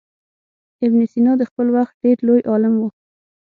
ابن سینا د خپل وخت ډېر لوی عالم و.